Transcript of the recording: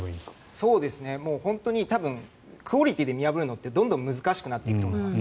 本当に、多分クオリティーで見破るのってどんどん難しくなっていくと思います。